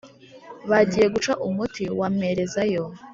bagiye guca umuti wamperezayo